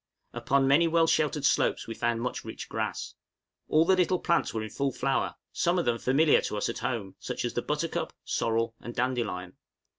Upon many well sheltered slopes we found much rich grass. All the little plants were in full flower; some of them familiar to us at home, such as the buttercup, sorrel, and dandelion.